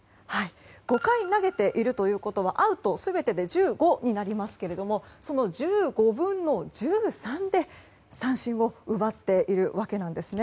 ５回投げているということはアウト全てで１５になりますがその１５分の１３で三振を奪っているわけですね。